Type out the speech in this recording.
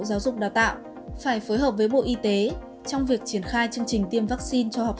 giáo dục đào tạo phải phối hợp với bộ y tế trong việc triển khai chương trình tiêm vaccine cho học